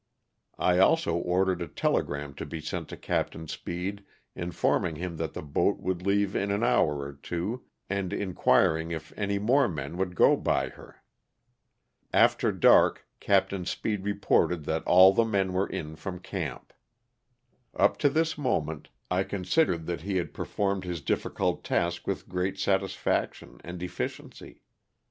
I also ordered a telegram to b3 sent to Capt. Speed informing him that the boat would leave in an hour or two, and inquir ing if any more men would go by her. "After dark Capt. Speed reported that all the men were in from camp. "Up to this moment I considered that he had performed his difficult task with great ^satisfaction and efficiency.